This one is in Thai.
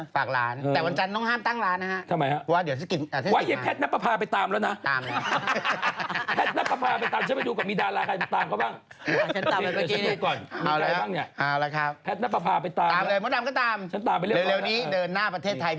ฝากรายการข่าวใส่ไข่หน่อยพิมอย่างนี้ดีไหม